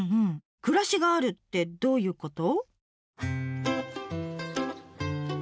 「暮らしがある」ってどういうこと？